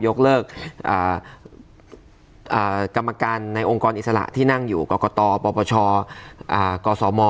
ยกเลิกกรรมการในองค์กรอิสระที่นั่งอยู่กรกตปปชกศม